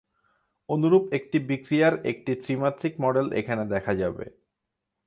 অনুরূপ একটি বিক্রিয়ার একটি ত্রিমাত্রিক মডেল এখানে দেখা যাবে।